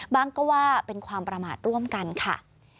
ก็ว่าเป็นความประมาทร่วมกันค่ะ